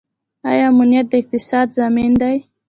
آیا امنیت د اقتصاد ضامن دی؟